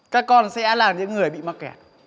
các con sẽ là những người bị mắc kẹt